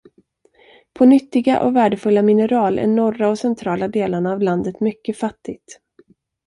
På nyttiga och värdefulla mineral är norra och centrala delarna av landet mycket fattigt.